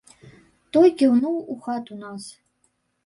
Той кіўнуў у хату нас.